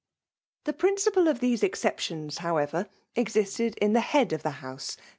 The principal of these exceptions, howeTcir# existed in the head of the house.